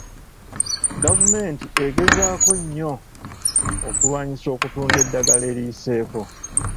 Gavumenti egezaako nnyo okulwanyisa okutunda eddagala eriyiseeko.